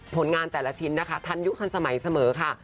ผลงานแต่ละชิ้นนะคะทันยุคทันสมัยเสมอค่ะ